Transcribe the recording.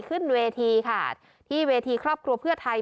ขึ้นเวทีค่ะที่เวทีครอบครัวเพื่อไทย